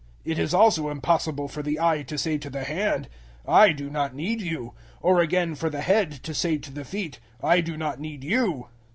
012:021 It is also impossible for the eye to say to the hand, "I do not need you;" or again for the head to say to the feet, "I do not need you."